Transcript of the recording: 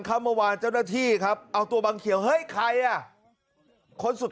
หาวหาวหาวหาวหาวหาวหาวหาวหาวหาว